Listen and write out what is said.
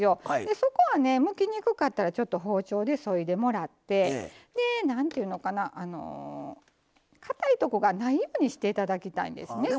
そこは、むきにくかったらちょっと包丁でそいでもらってかたいところがないようにしておきたいんです。